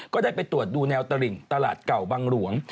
ก็ได้ไปตรวจดูแนวตลิ่งตลาดเก่าบังหลวง